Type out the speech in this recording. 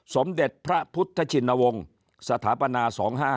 สมเด็จพระพุทธชินวงศ์สถาปนา๒๕๖